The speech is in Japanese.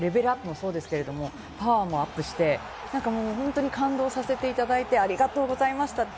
毎回パワーがどんどんレベルアップもそうですけれど、パワーもアップして、本当に感動させていただいて、ありがとうございました。